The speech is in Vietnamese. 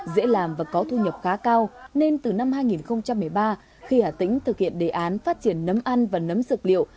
dễ làm và có thu nhập khá cao nên từ năm hai nghìn một mươi ba khi hà tĩnh thực hiện đề án phát triển nấm ăn và nấm dược liệu